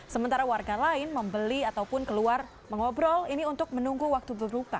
sementara warga lain membeli ataupun keluar mengobrol ini untuk menunggu waktu berbuka